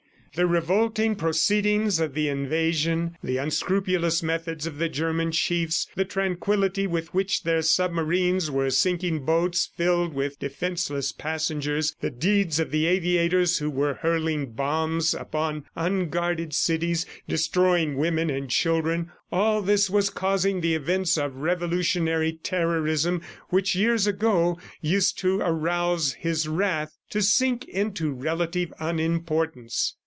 ... The revolting proceedings of the invasion, the unscrupulous methods of the German chiefs, the tranquillity with which their submarines were sinking boats filled with defenseless passengers, the deeds of the aviators who were hurling bombs upon unguarded cities, destroying women and children all this was causing the events of revolutionary terrorism which, years ago, used to arouse his wrath, to sink into relative unimportance.